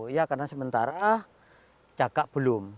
ya karena sementara caka belum